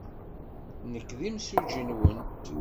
Nekk d imsujji-nwent.